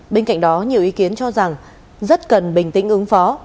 bên cạnh đó nhiều ý kiến cho rằng rất cần bình tĩnh ứng phó